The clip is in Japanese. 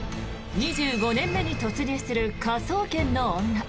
２５年目に突入する「科捜研の女」。